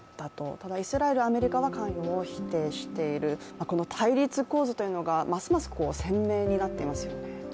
ただイスラエル、アメリカは関与を否定している、対立構図というのがますます鮮明になっていますよね？